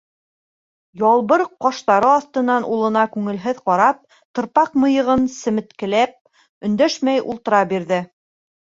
Ялбыр ҡаштары аҫтынан улына күңелһеҙ ҡарап, тырпаҡ мыйығын семеткеләп, өндәшмәй ултыра бирҙе.